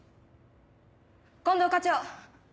・近藤課長！